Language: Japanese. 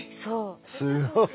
すごい。